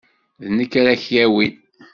D nekk ara k-yawin.